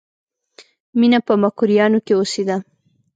مینه په مکروریانو کې اوسېده